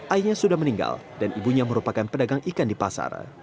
ayahnya sudah meninggal dan ibunya merupakan pedagang ikan di pasar